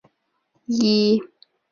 自己念了三年高中白白浪费